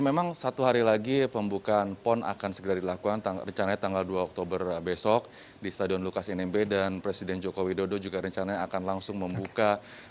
memang satu hari lagi pembukaan pon akan segera dilakukan rencananya tanggal dua oktober besok di stadion lukas nmb dan presiden joko widodo juga rencananya akan langsung membuka